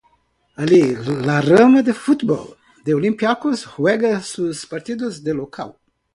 Allí la rama de fútbol del Olympiacos juega sus partidos de local.